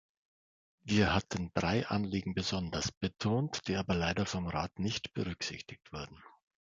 Wir hatten drei Anliegen besonders betont, die aber leider vom Rat nicht berücksichtigt wurden.